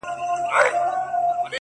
o ه شعر كي دي زمـــا اوربــل دی؛